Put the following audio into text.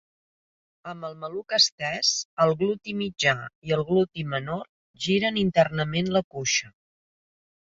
Amb el maluc estès, el gluti mitjà i el gluti menor giren internament la cuixa.